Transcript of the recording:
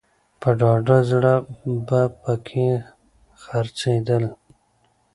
په ډاډه زړه به په کې څرېدل.